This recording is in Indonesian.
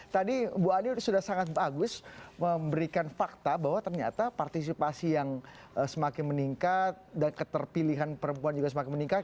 tadi bu ani sudah sangat bagus memberikan fakta bahwa ternyata partisipasi yang semakin meningkat dan keterpilihan perempuan juga semakin meningkat